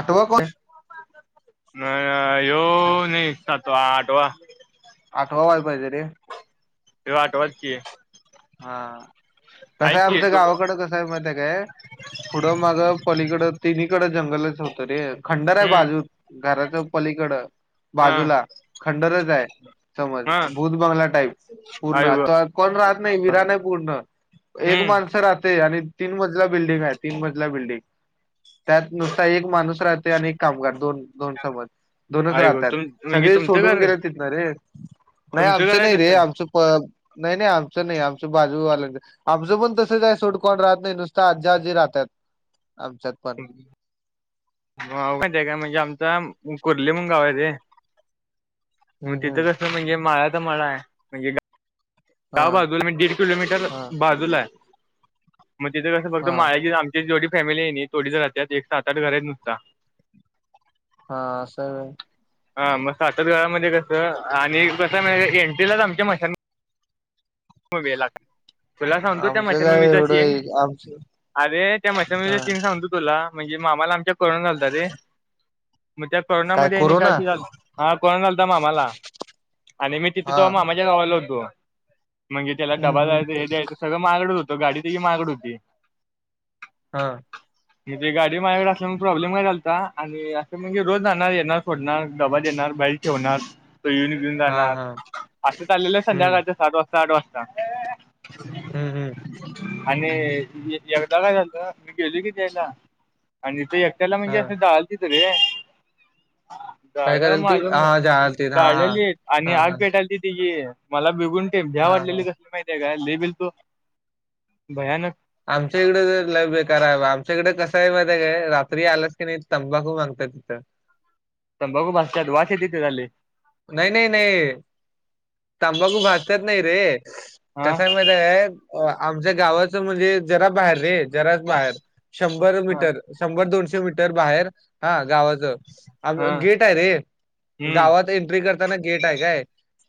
आठव को नाइ आ या नाइ सातवा आटवा आटवा वा य पाइजे रे [unintelligible] हा ऐक कसंय की आमच तू गावाकड कस माहित्येय काय पुढं माग पलीकडं तिन्हीकड जंगलच होतं रे खंडर आय हम्म बाजू घराच्या पलीकड हा बाजूला खंडरचाय समज हा भूत बंगला टाईप पूर्ण आई गं आता कोण राहत नाही विरा नाही पूर्ण एक हम्म माणसं राते आणि तीन मजला बिल्डिंग हाय तीन मजला बिल्डिंग त्यात नुसता एक माणूस राहते आणि एक कामगार दोन दोन समज दोनच आई गं राहत्यात तुम म्हणजे सगळे तुमचं सोडून घर गेले रे नाइ तुमचं घर आमचं आहे नाइ रे कसं आमचं प नाइ नाइ आम नाइ आमच बाजूवाल्या आमचं पण तसंच हाय सोडकोण राहत नाइ नुसत आज्जा आजी राहतात आमच्यात पण [unintelligible] म्हणजे आमचा कुर्ली म्हणून गाव हाय रे हम्म मग हम्म तिथं कसं मणजे माळ्याचा माळाय म्हणजे त्या हा बाजूला मी दीड किलोमीटर हा बाजूला आय म तिथं कसं फक्त हा [unintelligible] ती जेवडी फॅमिली हाय कणी तेवडीच राहत्यात एक सात आट घर हायत नुस्ता हा असंय वय हा मग साततगरामध्ये कस व्हय आणि कस एंट्रीलाच आमच्या मशां वेला तुला सांगतो त्या आमचं काय मश्यालममीचा एवढं सीन एक आमचं अरे त्या मशनममीचा हा सीन सांगतो तुला म्हणजे मामाला आमच्या करून घचालतात रे मग त्या काय कोरोनामध्ये का कोरोना अशी हा कोरोना चाता मग आम्हाला आणि मी तिथे हा तो मामाच्या गावालो होतो म्हणजे त्याला हम्म डबा हम्म जा्यायचं हे द्यायचं सगळं मागड होतं गाडीतही मागड होती हां ह म्हणजे गाडी माझ्याकडे असं प्रॉब्लेम काय चालता आणि असं म्हणजे रोज जाहणार येणार फोडणार डबा येणार बाईक ठेवणार तो येऊन घेऊन हा जाणार हा आ आलेल्या हम्म संध्याकाळच्या सात वाजता आठ वाजता हम्म हम् आणि एकदा काय झालत म घेल किती आला आणि त त्याला म्हणजे हा असं डालते तर रे काय झाड करायल ती माझ हा जाळतील हा हा झाळली आणि हा आग हा भेटाली त तिघी मला बिगुन ते भ्या हा हा वाटलेली कसली माहितीय काय भिलतो भयानक आमच्या इकड तर लय बेकार हाय आमच्या इकड कसंय माहितीय काय रात्री आलास कणी तंबाखू मागत तिथं तंबाकू भाास वा येते झाले नाइ नाइ नाइ तंबाकु भासतत नाही रे हा कसय म आमच्या गावाचं म्हणजे जरा बाहेर रे जराच बाहेर शंभर हा मीटर शंभर दोनशे मीटर बाहेर हा गावाचं आ हा गेट आहे रे हम्म गावात एंट्री करताना गेट आहे काय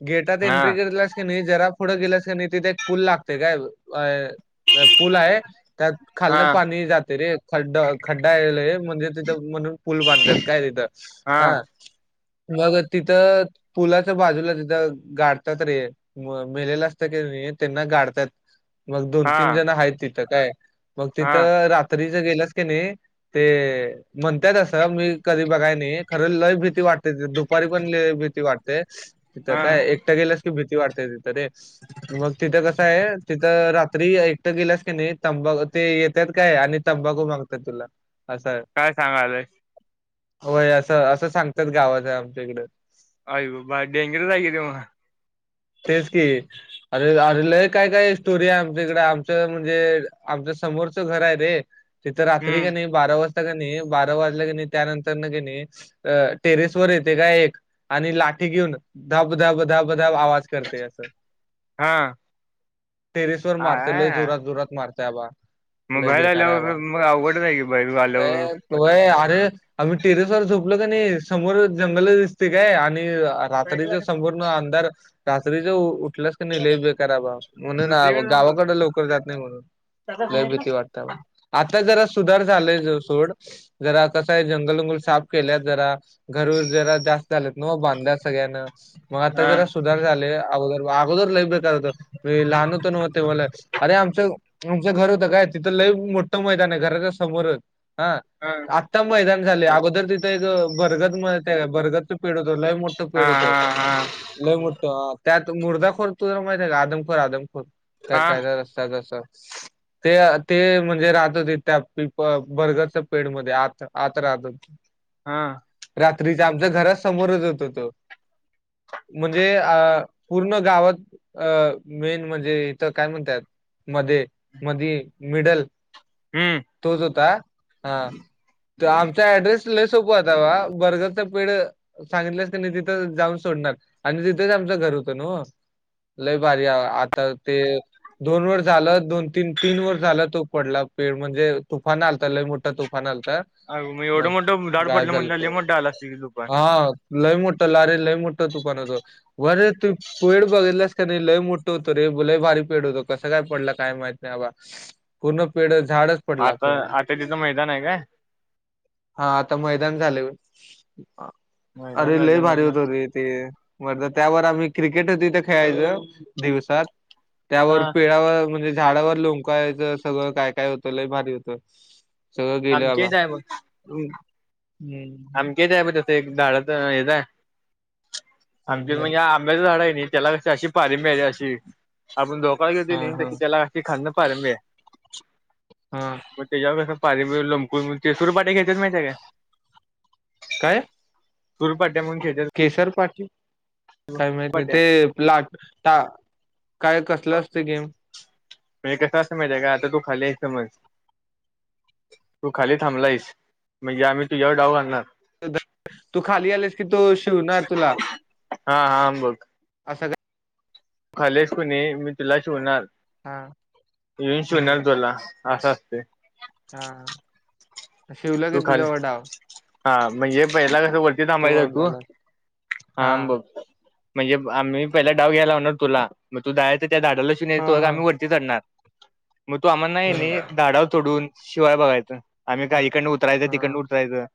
गेटात हा एंट्री करलास की नाही जरा पुढं गेलास की नाही तिथे एक पूल लागते काय अ पूल आहे त्यात हा खालनं पाणी जाते रे खड्ड खड्डाला म्हणजे तिथं म्हणून पूल बांधलेत काय तिथं हा मग तिथं पुलाच्या बाजूला तिथं गाठतात रे म मेलेलं असतं की त्यांना गाडतात मग दोन हा तीन जण आहेत तिथं काय मग हा तिथं रात्री ज गेलास की नाही ते म्हणताय अससं मी कधी बघाय नाही खरं लय भीती वाटते दु दुपारी पण भीती वाटतेय तिथं हा काय एकटं गेल्यास की भीती वाटतेय तिथ रे मग तिथं कसं आहे तिथं रात्री एकटं गेल्यास की नाही तंबा ते येतात काय आणि तंबाखू मागतात तुला असं काय सांगालय होय असं असं सांगतात गावाच आमच्याकड अय ब बा डेंगरस आहेगय ते मग तेज की अरे अरे लय काय काय स्टोरी आहे आमच्या इकडें आमचं म्हणजे आमच्या समोरचं घर आहे रे तिथं रात्री हम्म क नाही बारा वाजता क नाही बारा वाजलं क नाही त्यानंतर न कणी अ टेरेस वर येते का एक आणि लाठी घेऊन धब धब धब धाब आवाज करते अस हा टेरिस वर मारता ल आ जोरात जोरात मारता आबा मग लय बाहेर बेकार आहे बा आल्यावर मग अवघडच आहे की बाहेर आल्यावर य अरे आम्ही टेरेस वर झोपलो का नाही समोर जंगल दिसते काय आणि सायकल रात्रीच आणि कोणती संपूर्ण अंधार रात्रीच उठल्यास नाही ल बे कराबा म्हणून दुसरीकडे जाऊन बघा गावाकडे लवकर जात नाही म्हणून लय भीती वाटतावर आता जरा सुधार झालाय ज सोड जरा कसं आहे जंगल उंगल साफ केल्यात जरा घर जरा जास्त झालेत ना बांधल्या सगळ्यांना मग आता हा जरा सुधार झाले अगोदर अगोदर ल होत लहान होत नव्हते मला अरे आमचं आमचं घर होतं काय तिथं लई मोठं मैदान आहे घराच्या समोरच हा आ मैदान झाले अगोदर तिथं एक भरगत म भरगत पेड होत लय मोठं हा पेड होत हा हा लय मोठत त्यात मुर्दाखोर तुझला माहित आहे का आदमखोर आदमखोर काय हा कायदा रस्त जस ते ते म्हणजे राहत होते त्या पिप बर्गरच्या पेडमध्येध्ये आ आतरा आ हा रात्रीच आमच्या घराात समोरच होत हो तो म्हणजे अ पूर्ण गावात अ मेन म्हणजे इथं काय म्हणतात मध्ये मध मिडल हम्म तोच होता हा तर आमचा ऍड्रेस ल सोपं आतावा बर्गरचं पेढ सांगितलंस त्यांनी तिथं जाऊन सोडणार आणि तिथेच आमचं घर होतं न लय बारी आता ते दोन वर झालं दोन तीन तीन वर् झालं तो पडला पेड म्हणजे तुफान आलता ल मोठा तुफ फनल तर अग मग एवढं मोठं झाड पडलं म्हटलं ल मोठं आला अस दुपार हां, लय मोठं लारे लय मोठा तूपनत वरे तू पेड बघितलास का नाही लय मोठं होतो रे लय भारी पेड होतो कसं काय पडलं काय माहित नाही बाबा पूर्ण पेढ झाडच आता आता तिथं मैदान आहे का हा आता मैदान झाले मैदान अरे लई झालं भारी होत म्हणलं हो रे ते बर त्यावर आम्ही क्रिकेट होतो इथं खेळायच दिवसात त्यावर हा पेळावर म्हणजे झाडावर लोंकायचं सगळं काय काय होतं लय भारी होत सगळं गेलं बाबा आमचेच आहे हम्म अमकेच आहे प तसं एक झाडाच हेच आहे अमक हम्म म्हणजे ब्या झाडा आहे नाही त्याला क अशी पारी मिळेली अशी आपण धोकाळा हा घेतली तर हा की त्यालाशी खांन पारम हा मग त्याच्यावर कसं पाार लंकून तेसरू पाट्या घ्यायच माहि त्या काय काय तूरपट्या मगच्या केसर पाटील काय माहत नाही सुरपाट्या ते लाट त काय कसलं असत गेम म्हणजे कस असं माहितीय का आता तू खाली आहे समज तू खाली थांबलाईस म्हणजे आम्ही तुझ्यावर डाव घाणार तू खाली आलेस की तू शिवणार तुला हा हा असं काय त खालीस को मी तुला शिवणार हा येऊन हम्म शिवणार तुला असं असते हं तू खाली हा म्हणजे पहिला कस वरती थांबायचं आउट तू झालास हा हा अंबूब म्हणजे आम्ही पहिला डाव घयला होणार तुला मग तू दडय तर त्या ाडालाशी हा नाहीो हा आम णार मग तू आम्हाला नाही नाही धाडाव सोडून शिवाय बघायच आम्ही हा काही उतरायचं हा तिकड उतरायचं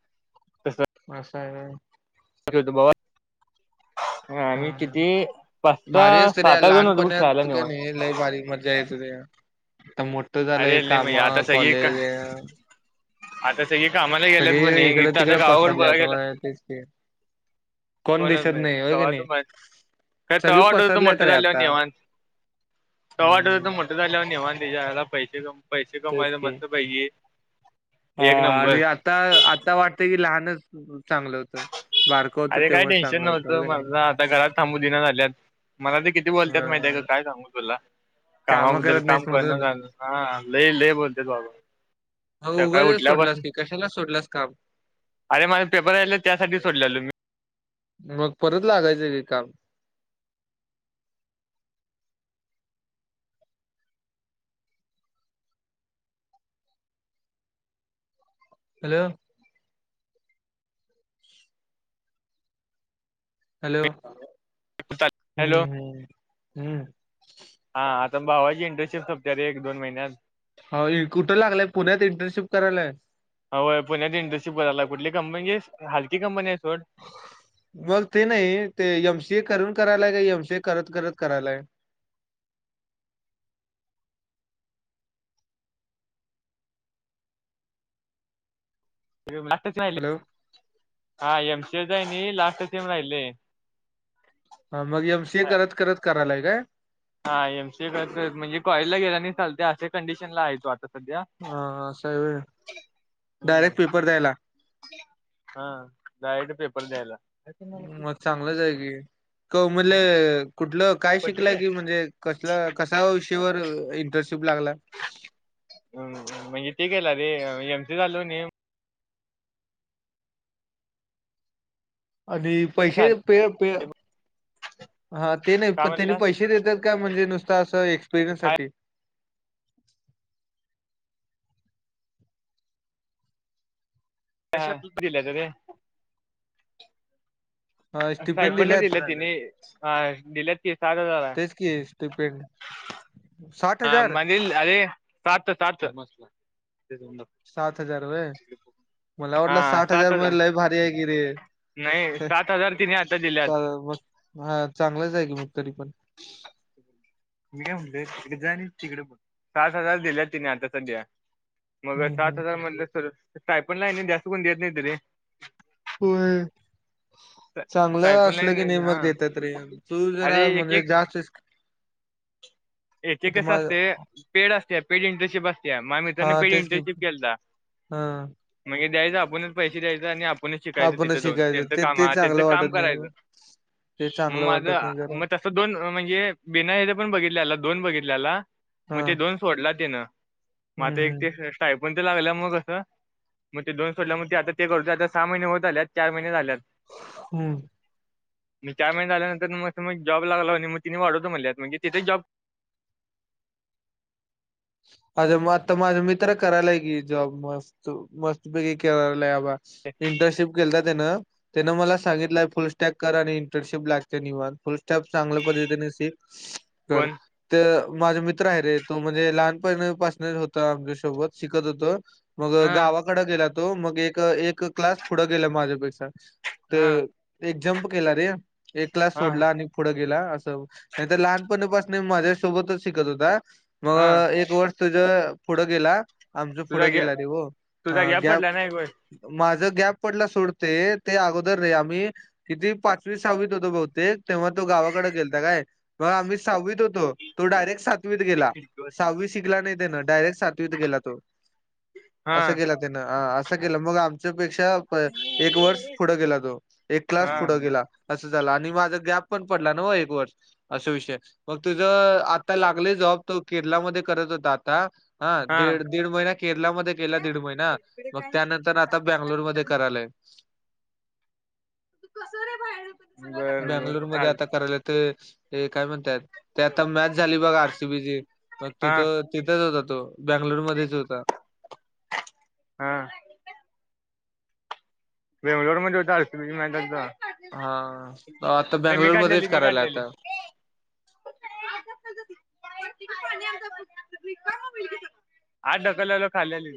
असं बाबा आम्ही हा किती पाच स भारी असतं रे सात आठ जण होतो मग खेळाला लहानपणात काय नेऊन नाही लय भारी मजा येत ते मोठ अरेले म याता सग का आता सगळे कामाला गेलत कोणी सगळे इकडं इथ आता तिकडं गावावर ब पसरल्यात होय गेलातणी तेच की कोण कोणच दिसत नाही होय की कवातू नाही मा काय तवा सगळी वाटत होत मोठ पसरल्यात रे झाल्यावर आता निवांत तवा वाटत हम्म होत मोठ झाल्यावर त्याच्यायला पैसे कमवू पैसे तेच कमाय तर की मस्त पैकी अ एक नंबर आणि आता आता वाटतं की लहानच चांगलं होतं बारकं होतं अरे काय तेव्हा टेन्शन चांगलं होतं ब नव्हतं का नाही मला आता घरात थांबू दिना झाल्यात मला ते किती बोलतात माहिती आहे का ह काय सांगू तुला काम कामाबद्दल करत नाहीस काम करण म्हणून झालं ह लय लय बोलते बाबा ह सकाळी गुगल सोडलास उठल्यापासून की कशाला सोडलास काम अर माझ पेपर राहिलेला त्यासाठी सोडलेलो मी मग परत लागायचं व काम हॅलो हॅलो हम्म हॅलो हम्म हम्म हा आता भावाची इंटर्नशिप सोपत रे दोन महिन्यात हो कुठं लागलंय पुण्यात इंटर्नशिप करायलाय अय पुण्यात इंडरशिप करायला कुठली कंपनी हलकी कंपनी आहे सोड मग ते नाही ते एमसीए करून करायलाय का एमसीए करत करत करायलाय लाटच राहिले हॅलो हा एम सी एच आहे लास्टच ये राहिले हा मग एम सीए करत करत करायलाय काय हा एम सीए कर म्हणजे कॉलेजला ला गेला नाही चालते असशा कंडिशन ला आहे तो आता सध्या हा असाय व्हय हम्म डायरेक्ट पेपर द्यायला हा डारेक्ट पेपर द्यायला मग चांगलंच आहे की क म्हणले कुठलं काय शिकलाय पडलेलं की म्हणजे कसलं कसा इंटर्नशिप लागला म्हणजे ते केलं र एम सी चालू आणि पैसे काय प प हा ते नाही पण त्यांनी म्हणला पैसे देतात का म्हणजे नुसता असं एक्सपिरियन्स सा [unintelligible] स्टिपेंड ही दिल त्यांनी ह दिलेत की सात हजार हाय कि पेड [inaudible] [unintelligible] सात हजार व्हय मला वाटलं हा साठ हजार सात मध्ये लय भारी आहे की रे नाही सात हजार तिने आता दिल्यात मग ह चांगलंच आहे की मग तरी पण मी म्ह तिकडे जा आणि तिकडे सात हजार दिल्या तिने आता सध्या मग हम्म सात हम्म. हजार मधलं स्टाय पण नाही नाही जास्त कोण देत नाही तरी हो चांगलं स्टायपन असलं की नाहीे लाईन हा मग देतात रे तू जरा म्हणजे जास्त ये ते कस तुम्हाला असते पेड असते पेड इंटरशिप असते माझ्या मित्रांनी हा पहि तेच की इंटर्नशिप केला हा म्हणजे द्यायच आपणच पैसे द्यायच आणि शिकायच तिथ आपणच जान शिकायचं त्यांच ते काम ते हा त्यांच चांगलं काम वाटत नाही करायचं ते म चांगलं माझ वाटत नाही जरा म अस दोन म्हणजे बीना हेथ पण बघितलेला दोन बघितल्याला हा मग ते दोन सोडला तेनं मग हम्म आता एक हम्म ते स्टाईपण ते लागल्या मग असं मग ते दोन सोटल्याग ते आता ते करत आता सहा महिने होत आलेत चार महिने झाल्यात हम्म रिटायर्डमेंट झाल्यानंतर म [inaudible] जॉब लागला [unintelligible] अजे मग आता माझा मित्र करायलाय की जॉब मस्त मस्तपैकी करायलाय अबा इंटर्नशिप केलता त्याना त्यानं मला सांगितलाय फुलस्टाग करा आणि इंटरशिप ब्लॅक च निवाह फुल स्टप चांगल्या पद्धतीने सिक कर कोण ते माझा मित्र आहे रे तो म्हणजे लहान होत आमच्या सोबत शिकत होत मग हा गावा कडे गेला तो मग एक एक क्लास पुढं गेला माझ्यापेक्षा ते हा एक जम्प केला रे एक क्लास हा सोडला आणि पुढं गेला असं नाही तरर लहानपणीपासून माझ्या सोबतच शिकत होता हा मग एक तुझ पुढ गेला आमच पुढ तुझा गॅ गेला रे हो तुझा गॅप ग्या पडला ना एक वेळेस माझं गॅप पडला सोडते ते अगोदर रे आम्ही किती पाचवी सहावीत होतो बहुतेक तेव्हा तो गावाकडे गेलता काय मग आम्ही सहावीत होतो तो डायरेक्ट सातवीत गेला सहावी शिकला नाही त्यान डायरेक्ट सातवीत गेला तो हा असं केला त्यानं असं केलं मग आमच्यापेक्षा एक वर्ष पुढं गेला तो एक क्लास हा पुढं गेला असं झाला आणि माझा गॅप पण पडला ना एक वर्ष असा विषय मग तुझं आता लागले जॉब तू केरलामध्ये हो आता ह हा दीड महिना केरला मध्ये केला दीड महिना ना मग त्यानंतर आता बंगलुर मध्ये करायलय बर बर बंगलुरू मध्ये चाल आता करायला ते काय म्हणतात ते आता मॅच झाली बघा आरसीबीची मग हा तिथं तिथेच होता तो बँंगलोर मध्येच होता हा बेंगलोरमध्ये होता असतात हा आता बेंगलोरमध्येच काढलेली मी करायला काढलेली आता [unintelligible] आत ढकल याला खाली आली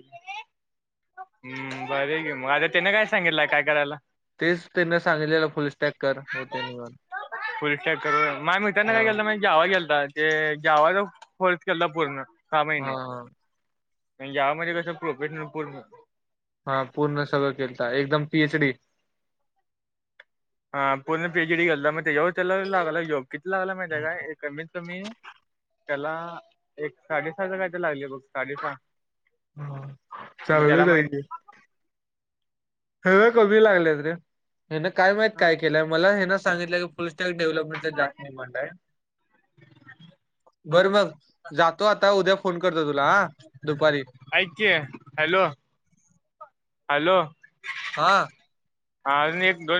हम्म भारी हायकी मग आता त्याने काय सांगितलं काय करायला तेच त्यांने सांगितलेलं फुल स्टॅककर होते निवन फुल स्टॅक करू माझ्या मित्रांनं हा काय केलं माहिती जावा केलता ते जावाचा कोर्स केलता पूर्ण सहा हा महिने हा पण यामध्ये कसं प्रोफेशनल पूर्ण हा पूर्ण सगळं केलता एकदम पीएच डी हा पूर्ण पीएच डी केलला मग त्याच्यावर त्याला लागलाय जॉब किती लागला माहिती ये काय एक कमीत कमी त्याला एक साडेसहाचा कायतरी लागलय बघ साडेसहा ह मग त्याला चांगलच हाय माहित की, ह्यावेळेला कमी लागल्यात रे हेन काय माहित काय केलंय मला हेन सांगितलं की फुलस्टॅक डेव्हलपमेंटचा जास्त डीमांड हाय. [inaudible] बरं मग जातो आता उद्या फोन करतो तुला हा दुपारी ऐक की, हॅलो हॅलो हा हा अजून एक दोन